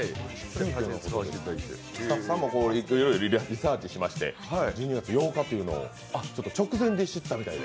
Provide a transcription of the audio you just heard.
スタッフさんもいろいろリサーチして、１２月８日を直前で知ったみたいで。